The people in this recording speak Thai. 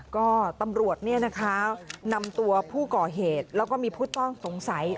ก็ตำรวจนำตัวผู้ก่อเหตุแล้วก็มีผู้ต้องสงสัย